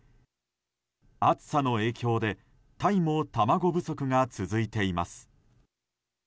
暑さの影響でタイも卵不足が続いています。